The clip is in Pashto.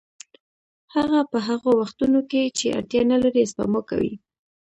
هغه په هغو وختونو کې چې اړتیا نلري سپما کوي